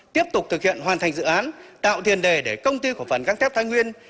tiếp tục thực hiện hoàn thành dự án tạo thiền đề để công ty cổ phần găng thép thái nguyên